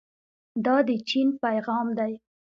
دا د چین پیغام دی.